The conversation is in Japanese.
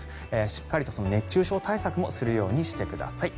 しっかりと熱中症対策もするようにしてください。